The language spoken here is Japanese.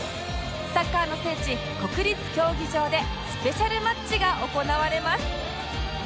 サッカーの聖地国立競技場でスペシャルマッチが行われます